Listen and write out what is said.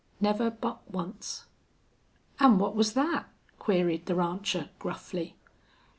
Never but once." "An' what was thet?" queried the rancher, gruffly.